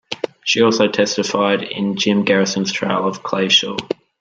She also testified in Jim Garrison's trial of Clay Shaw.